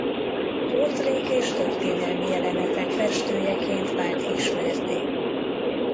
Portrék és történelmi jelenetek festőjeként vált ismertté.